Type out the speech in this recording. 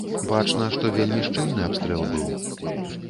Бачна, што вельмі шчыльны абстрэл быў.